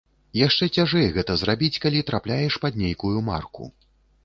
Яшчэ цяжэй гэта зрабіць, калі трапляеш пад нейкую марку.